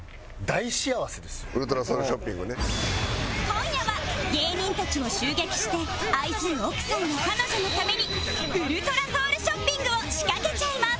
今夜は芸人たちを襲撃して愛する奥さんや彼女のためにウルトラソウルショッピングを仕掛けちゃいます！